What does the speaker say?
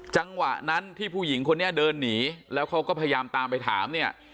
จังหวะนั้นที่ผู้หญิงคนนี้เดินหนีแล้วเขาก็พยายามตามไปถามเนี่ย